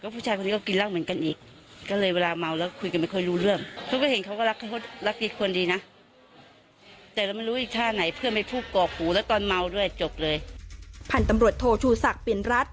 พันธุ์ตำรวจโทชูศักดิ์ปิ่นรัฐ